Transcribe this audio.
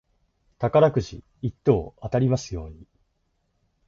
宝くじ一等当たりますように。